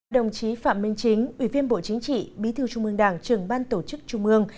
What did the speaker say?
đồng chí phạm minh chính ủy viên bộ chính trị bí thư trung ương đảng trường ban tổ chức trung ương